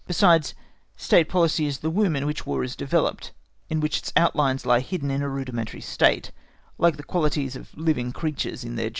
Besides, State policy is the womb in which War is developed, in which its outlines lie hidden in a rudimentary state, like the qualities of living creatures in their germs.